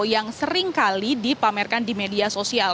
yang seringkali dipamerkan di media sosial